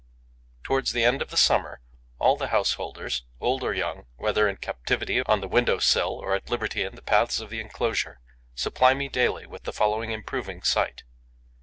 Towards the end of summer, all the householders, old or young, whether in captivity on the window sill or at liberty in the paths of the enclosure, supply me daily with the following improving sight.